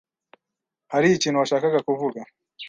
Hari ikintu washakaga kuvuga?